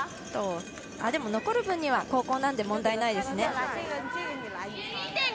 でも残る分には後攻なんで問題ないですね。